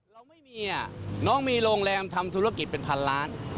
เราไม่มีอ่ะน้องมีโรงแรมทำธุรกิจเป็นพันล้าน